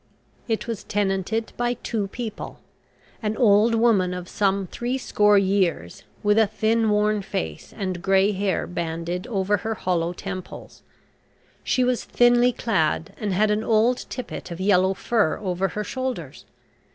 It was tenanted by two people. An old woman of some three score years, with a thin worn face and grey hair banded over her hollow temples. She was thinly clad, and had an old tippet of yellow fur over her shoulders.